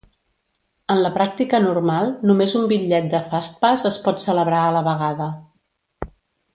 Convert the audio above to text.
En la pràctica normal, només un bitllet de Fastpass es pot celebrar a la vegada.